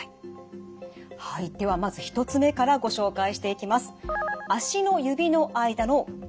はいではまず１つ目からご紹介していきます。